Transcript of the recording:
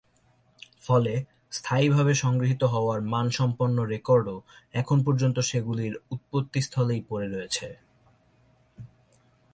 ফলে, স্থায়ীভাবে সংগৃহীত হওয়ার মানসম্পন্ন রেকর্ডও এখন পর্যন্ত সেগুলির উৎপত্তিস্থলেই পড়ে রয়েছে।